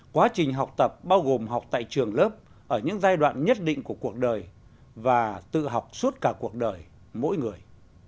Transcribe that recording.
quá trình học tập bao gồm học tại trường lớp ở những giai đoạn nhất định của cuộc đời và tự học suốt cả cuộc đời mỗi người